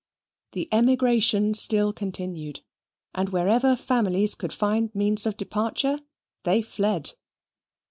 The emigration still continued, and wherever families could find means of departure, they fled.